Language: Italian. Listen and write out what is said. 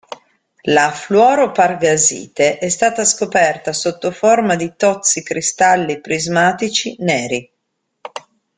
La fluoro-pargasite è stata scoperta sotto forma di tozzi cristalli prismatici neri.